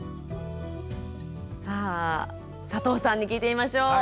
さあ佐藤さんに聞いてみましょう。